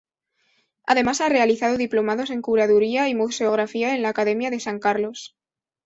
Además ha realizado diplomados en curaduría y museografía en la Academia de San Carlos.